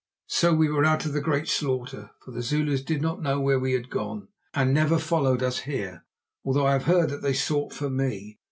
So we were out of the great slaughter, for the Zulus did not know where we had gone, and never followed us here, although I have heard that they sought for me.